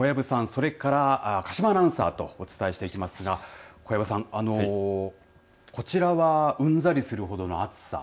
それから鹿島アナウンサーとお伝えしていきますが小籔さん、こちらはうんざりするほどの暑さ。